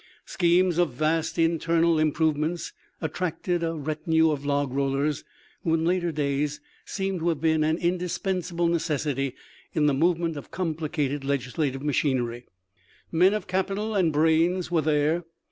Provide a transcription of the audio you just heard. Schemes of vast internal im provements attracted a retinue of log rollers, who in later days seem to have been an indispensable necessity in the movement of complicated legisla tive machinery. Men of capital and brains were there.